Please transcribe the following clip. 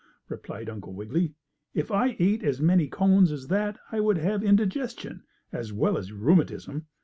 replied Uncle Wiggily. "If I ate as many cones as that I would have indigestion, as well as rheumatism.